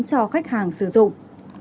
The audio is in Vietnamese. các khách hàng sử dụng